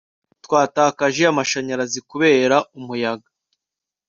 twatakaje amashanyarazi kubera umuyaga